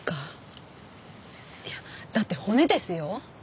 いやだって骨ですよ？